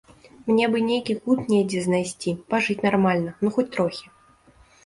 Мне бы нейкі кут недзе знайсці, пажыць нармальна, ну хоць трохі.